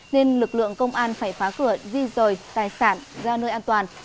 nên lực lượng công an phải phá cửa di rời tài sản ra nơi an toàn